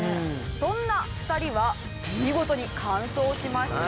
そんな２人は見事に完走しました。